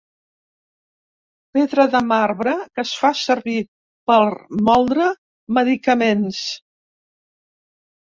Pedra de marbre que es fa servir per moldre medicaments.